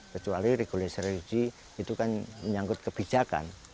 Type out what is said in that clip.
kecuali regulasi regulasi itu kan menyangkut kebijakan